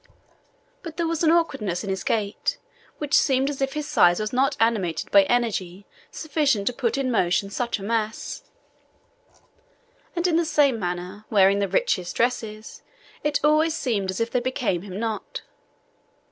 But there was an awkwardness in his gait which seemed as if his size was not animated by energy sufficient to put in motion such a mass; and in the same manner, wearing the richest dresses, it always seemed as if they became him not.